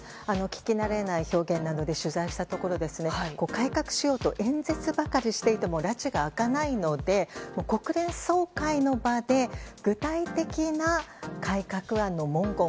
聞き慣れない表現なので取材したところ改革しようと演説ばかりしていてもらちが明かないので国連総会の場で具体的な改革案の文言